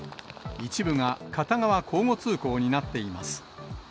一部が片側交互通行になっています。